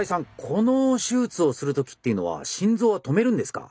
この手術をする時っていうのは心臓は止めるんですか？